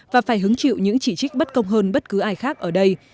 và phải hứng chịu những chỉ trích bất công hơn bất cứ ai khác ở đây